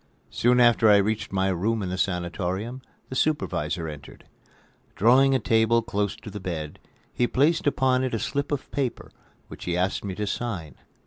Soon after I reached my room in the sanatorium, the supervisor entered. Drawing a table close to the bed, he placed upon it a slip of paper which he asked me to sign.